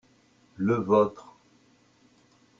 le vôtre.